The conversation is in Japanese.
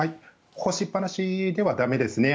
干しっぱなしでは駄目ですね。